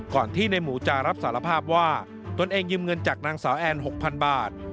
ก่อนที่ในหมูจะรับสารภาพว่าตนเองยืมเงินจากนางสาวแอน๖๐๐๐บาท